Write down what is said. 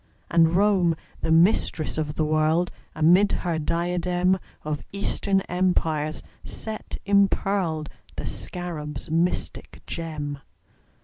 And Rome, the Mistress of the World, Amid her diadem Of Eastern Empires set impearled The Scarab's mystic gem.